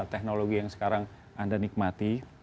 teknologi yang sekarang anda nikmati